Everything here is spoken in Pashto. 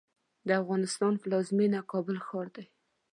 د افغانستان پلازمېنه کابل ښار دی.